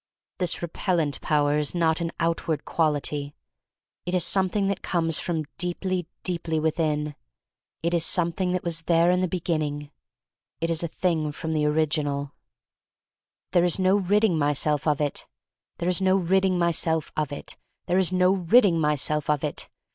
This repellent power is not an out ward quality. It is something that comes from deeply, deeply within. It is something that was there in the Be THE STORY OF MARY MAC LANE 1 69 ginning. It is a thing from the Orig inal. There is no ridding myself of it. There is no ridding myself of it. There is no ridding myself of it.